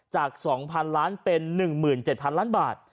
จาก๒๐๐๐ล้านเป็น๑๗๐๐ล้านบาท